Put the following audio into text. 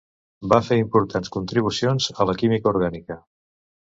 Va fer importants contribucions a la química orgànica.